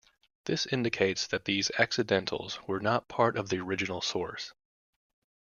This indicates that these "accidentals" were not part of the original source.